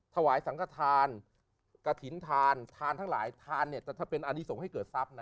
ถวายสังฆษานกระถิญทานทานทั้งหลายทานเนี่ยจะเป็นอาริสงค์ให้เกิดทรัพย์นะ